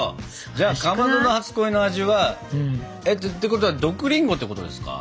じゃあかまどの初恋の味はてことは毒りんごってことですか？